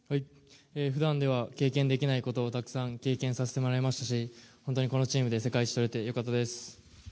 普段では経験できないことをたくさん経験させてもらいましたし本当にこのチームで世界一をとれて良かったです。